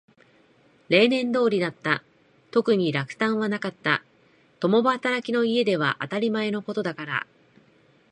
例年通りだった。特に落胆はなかった。共働きの家では当たり前のことだから。